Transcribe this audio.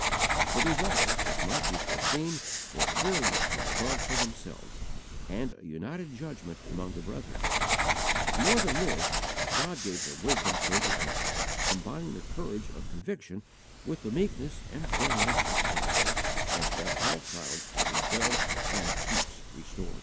The results, as might be foreseen, were clear light from above for themselves, and a united judgment among the brethren; but more than this, God gave them wisdom so to act, combining the courage of conviction with the meekness and gentleness of Christ, as that all clouds were dispelled and peace restored.